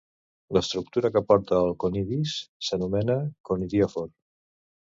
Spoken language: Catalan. L'estructura que porta els conidis s'anomena conidiòfor.